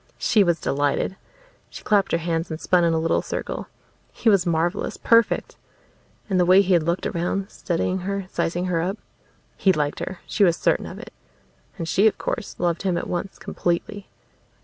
She was delighted. She clapped her hands and spun in a little circle. He was marvelous, perfect! And the way he had looked around, studying her, sizing her up. He liked her; she was certain of it. And she, of course, loved him at once, completely.